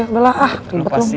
udah lah ah tempet lo